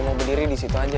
yuk biar gua aja